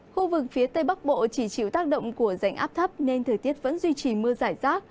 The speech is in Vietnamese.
khu vực phía tây bắc bộ chỉ chịu tác động của rãnh áp thấp nên thời tiết vẫn duy trì mưa rải rác